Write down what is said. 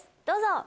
どうぞ！